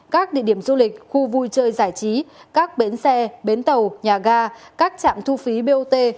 các địa điểm du lịch khu vui chơi giải trí các bến xe bến tàu nhà ga các trạm thu phí bot